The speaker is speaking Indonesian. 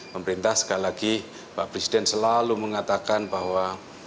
pemerintah sekali lagi pak presiden selalu mengatakan bahwa